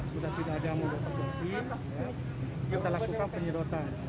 sudah tidak ada yang mau dapat bensin kita lakukan penyedotan